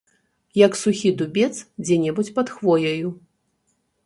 Як сухі дубец дзе-небудзь пад хвояю.